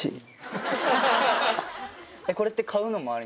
これって。